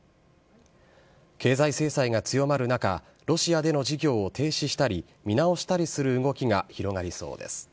経済制裁が強まる中、ロシアでの事業を停止したり、見直したりする動きが広がりそうです。